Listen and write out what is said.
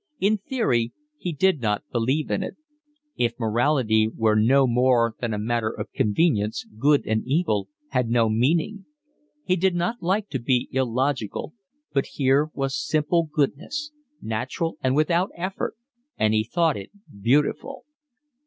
In theory he did not believe in it: if morality were no more than a matter of convenience good and evil had no meaning. He did not like to be illogical, but here was simple goodness, natural and without effort, and he thought it beautiful.